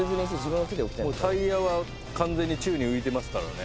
もうタイヤは完全に宙に浮いてますからね。